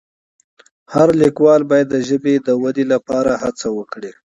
هر لیکوال باید د ژبې د ودې لپاره هڅه وکړي.